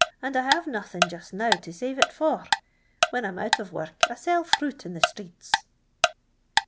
and I have nothing ju t now to Siu.* it f«»r. Wlien i 'in out of work, 1 mi! fruit in the street*."